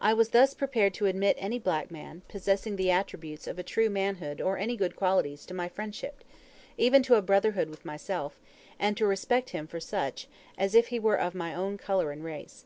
I was thus prepared to admit any black man, possessing the attributes of true manhood or any good qualities, to my friendship, even to a brotherhood with myself; and to respect him for such, as much as if he were of my own colour and race.